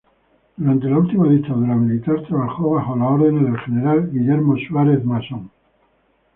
Durante la última dictadura militar trabajó bajos las órdenes del General Guillermo Suárez Mason.